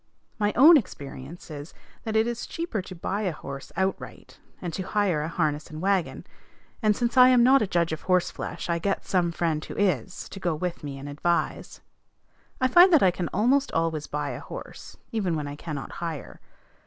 My own experience is, that it is cheaper to buy a horse outright, and to hire a harness and wagon; and, since I am not a judge of horse flesh, I get some friend who is, to go with me and advise. I find that I can almost always buy a horse, even when I cannot hire.